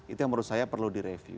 itu yang menurut saya perlu direview